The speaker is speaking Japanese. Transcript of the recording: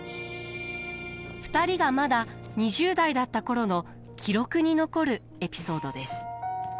２人がまだ２０代だった頃の記録に残るエピソードです。